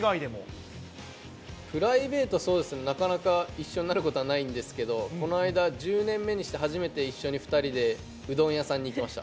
プライベート、なかなか一緒になることはないんですけど、この間、１０年目にして初めて一緒に２人でうどん屋さんに行きました。